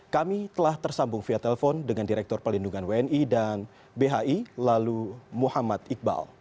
kami telah tersambung via telepon dengan direktur pelindungan wni dan bhi lalu muhammad iqbal